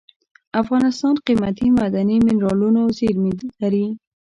افغانستان قیمتي معدني منرالونو زیرمې لري.